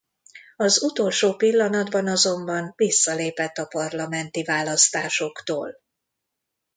Az utolsó pillanatban azonban visszalépett a parlamenti választásoktól.